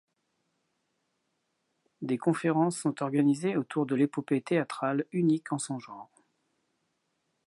Des conférences sont organisées autour de l'épopée théâtrale unique en son genre.